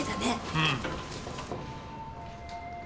うん。